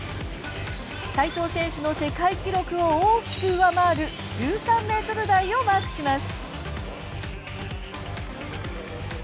齋藤選手の世界記録を大きく上回る１３ｍ台をマークします。